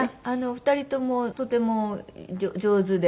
２人ともとても上手で。